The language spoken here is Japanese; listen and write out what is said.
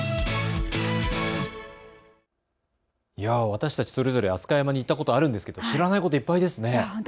私たち、それぞれ飛鳥山に行ったこと、あるんですが知らないこといっぱいですね。